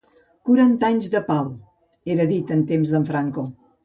«Quaranta anys de pau», era dit en temps d'en Franco.